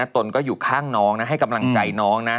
ตนก็อยู่ข้างน้องนะให้กำลังใจน้องนะ